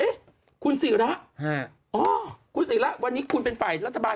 คุณศิระอ๋อคุณศิระวันนี้คุณเป็นฝ่ายรัฐบาล